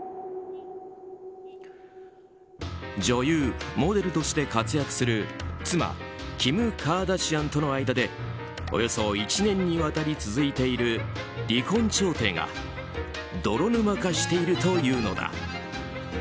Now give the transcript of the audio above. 女優、モデルとして活躍する妻キム・カーダシアンとの間でおよそ１年にわたり続いている離婚調停が泥沼化しているというのだ。